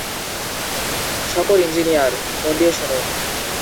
সকল ইঞ্জিনিয়ার, মন দিয়ে শুনুন।